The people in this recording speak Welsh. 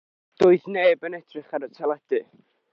Doedd neb yn edrych ar y teledu.